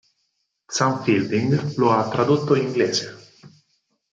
Xan Fielding lo ha tradotto in inglese.